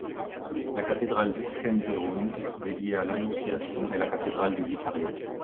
La cathédrale d'İskenderun, dédiée à l'Annonciation, est la cathédrale du vicariat.